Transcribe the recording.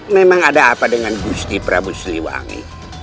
memang ada apa dengan gusti prabu siliwangi